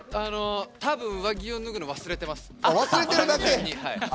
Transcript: たぶん、上着を脱ぐの忘れてます。